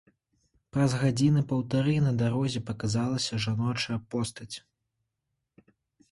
Праз гадзіны паўтары на дарозе паказалася жаночая постаць.